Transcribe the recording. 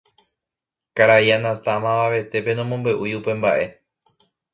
Karai Anata mavavetépe nomombe'úi upe mba'e.